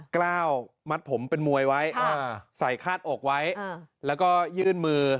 กล้าวมัดผมเป็นมวยไว้อ่าใส่คาดอกไว้แล้วก็ยื่นมือ